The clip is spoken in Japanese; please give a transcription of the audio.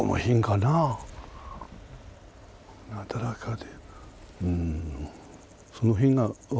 なだらかで。